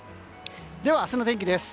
では、明日の天気です。